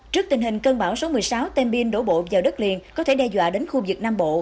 trước tình hình cơn bão số một mươi sáu tên bin đổ bộ vào đất liền có thể đe dọa đến khu vực nam bộ